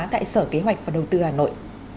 tại sở kế hoạch và đầu tư hà nội